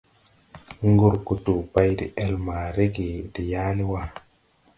Ngurgutu bay de-ɛl ma rege de yaale wà.